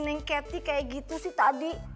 neng kety kayak gitu sih tadi